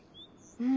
うん！